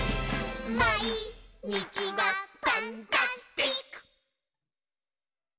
「まいにちがパンタスティック！」